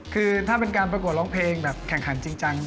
คือถ้าเป็นการประกวดร้องเพลงแบบแข่งขันจริงจัง